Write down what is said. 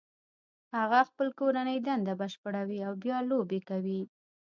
هغه خپل کورنۍ دنده بشپړوي او بیا لوبې کوي